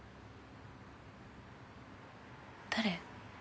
誰？